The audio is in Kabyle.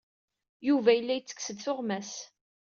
Yuba yella yettekkes-d tuɣmas.